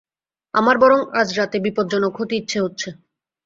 আমার বরং আজরাতে বিপজ্জ্বনক হতে ইচ্ছা হচ্ছে।